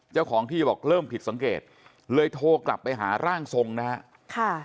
เจ้าของที่บอกเริ่มผิดสังเกตเลยโทรกลับไปหาร่างทรงนะฮะค่ะ